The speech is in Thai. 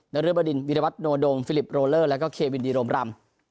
นรบดินวิรวัตโนดมฟิลิปโรเลอร์แล้วก็เควินดีโรมรำ